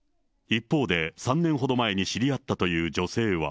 一方で、３年ほど前に知り合ったという女性は。